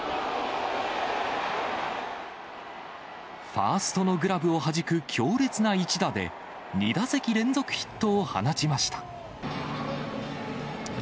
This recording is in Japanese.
ファーストのグラブをはじく強烈な一打で、２打席連続ヒットを放ちました。